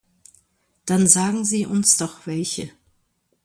Dann sagen Sie uns doch welche!